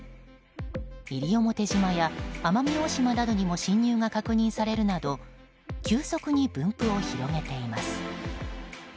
西表島や奄美大島などにも侵入が確認されるなど急速に分布を広げています。